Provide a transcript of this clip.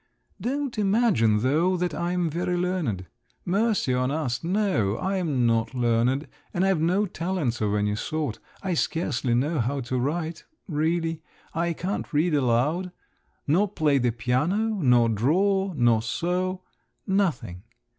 "Don't imagine, though, that I am very learned. Mercy on us! no; I'm not learned, and I've no talents of any sort. I scarcely know how to write … really; I can't read aloud; nor play the piano, nor draw, nor sew—nothing!